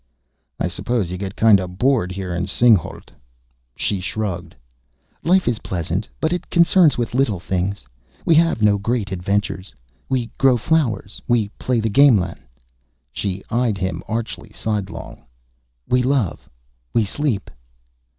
"I suppose you get kinda bored here in Singhalût?" She shrugged. "Life is pleasant, but it concerns with little things. We have no great adventures. We grow flowers, we play the gamelan." She eyed him archly sidelong. "We love.... We sleep...."